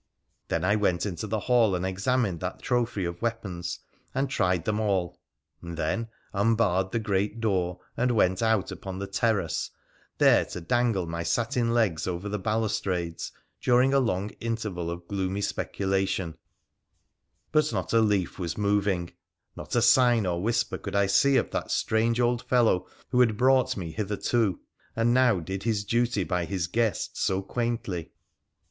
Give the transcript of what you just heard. Then I went into the hall and examined that trophy of weapons and tried them all, and then unbarred the great door and went out upon the terrace, there to dangle my satin legs over the balustrades during a long interval of gloomy speculation ; but not a leaf Was moving, not a sign or whisper could I see of that strange PIIRA THE PHOENICIAN 275 old fellow who had brought me hitherto, and now did his duty by his guest so quaintly.